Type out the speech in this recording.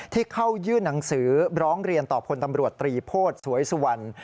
ที่เข้ายื่นหนังสือร้องเรียนต่อพลตำรวจตรีโพธิสวยสุวรรณ